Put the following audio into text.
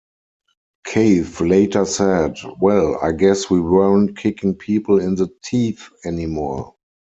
Cave later said, Well, I guess we weren't kicking people in the teeth anymore.